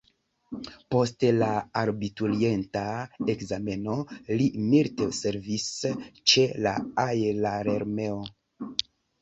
Post la abiturienta ekzameno li militservis ĉe la aerarmeo.